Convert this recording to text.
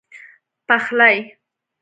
پخلی